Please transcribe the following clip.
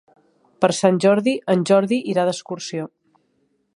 Per Sant Jordi en Jordi irà d'excursió.